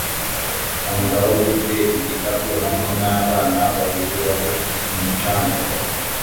Umugabo ufite igikapu hamwe nabana babiri bari ku mucanga